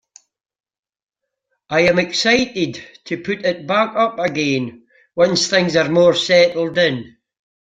I am excited to put it back up again once things are more settled in.